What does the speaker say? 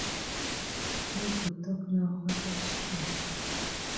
Make we tok now about skul.